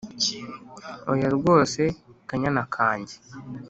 oya rwose kanyana kanjye